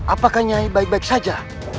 apakah nyai baik baik saja